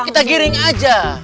kita giring aja